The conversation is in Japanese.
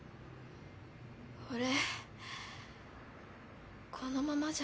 俺このままじゃ。